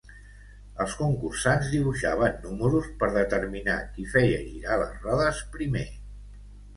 Els concursants dibuixaven números per determinar qui feia girar les rodes primer.